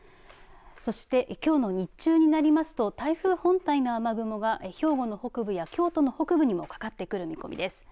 そしてきょうの日中になりますと台風本体の雨雲は兵庫の北部や京都の北部にもかかってくる見込みです。